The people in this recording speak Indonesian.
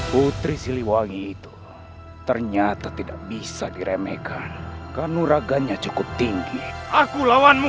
putri siliwangi itu ternyata tidak bisa diremehkan karena raganya cukup tinggi aku lawanmu